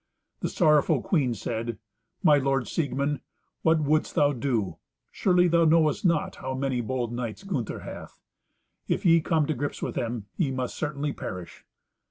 The sorrowful queen said, "My lord, Siegmund, what wouldst thou do? Surely thou knowest not how many bold knights Gunther hath. If ye come to grips with them, ye must certainly perish."